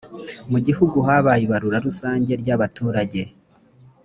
mugihugu habaye ibarura rusange ry ‘abaturage.